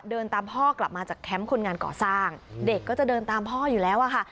เดินตามพ่อกลับมาจากแคมป์คนงานก่อสร้างเด็กก็จะเดินตามพ่ออยู่แล้วอะค่ะ